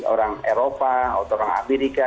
orang eropa atau orang amerika